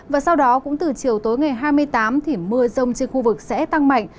và sau đó cũng từ chiều tối ngày hai mươi tám thì mưa rông trên khu vực sẽ tăng mạnh